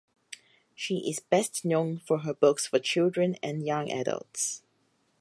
She is best known for her books for children and young adults.